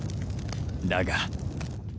だが